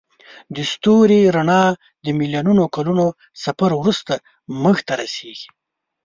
د ستوري رڼا د میلیونونو کلونو سفر وروسته موږ ته رسیږي.